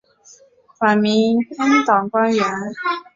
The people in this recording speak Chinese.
晚明阉党官员。